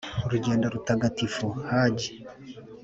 urugendo rutagatifu (ḥajj)